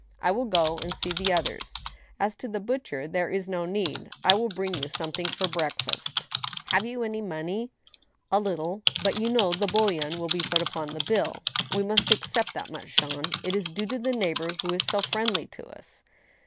I will go and see the others. As to the butcher, there is no need. I will bring you something for breakfast." GOOD NEWS. n " Have you any money ?"'* A little. But you know the bouillon will be put upon the bilL ... We must accept that much, Jean ; it is due to the neighbor who'is so friendly to us."